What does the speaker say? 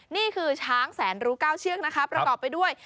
นี่คือช้างแสนรู้๙เชือกนะคะประกอบไปด้วย